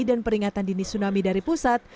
dan peringatan dini tsunami dari pusat